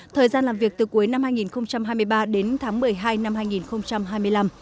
thời gian làm việc từ cuối năm hai nghìn hai mươi ba đến tháng một mươi hai năm hai nghìn hai mươi năm